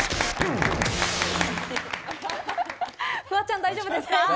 フワちゃん、大丈夫ですか？